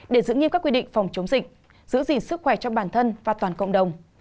để giữ nghiêm các quy định phòng chống dịch giữ gìn sức khỏe cho bản thân và toàn cộng đồng